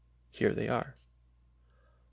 Here they are : I.